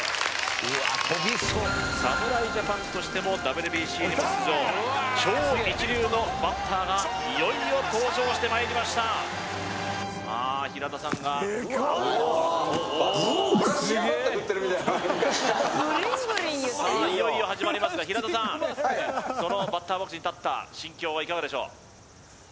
侍ジャパンとしてもＷＢＣにも出場超一流のバッターがいよいよ登場してまいりましたさあ平田さんがおおっさあいよいよ始まりますが平田さんはいそのバッターボックスに立った心境はいかがでしょう？